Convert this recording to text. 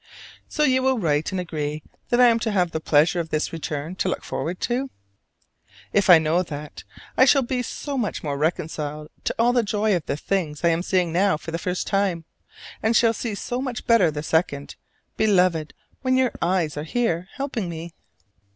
So you will write and agree that I am to have the pleasure of this return to look forward to? If I know that, I shall be so much more reconciled to all the joy of the things I am seeing now for the first time: and shall see so much better the second, Beloved, when your eyes are here helping me.